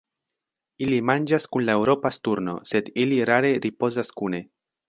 Ili manĝas kun la Eŭropa sturno, sed ili rare ripozas kune.